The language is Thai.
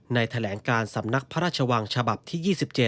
แถลงการสำนักพระราชวังฉบับที่๒๗